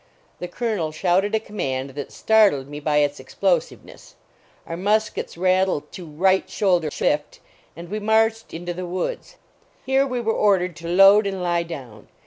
The Colonel shouted a command that startled me by its explosiveness ; our muskets rattled to " right shoulder shift and we marched into the woods . Here we were ordered to " load and lie down."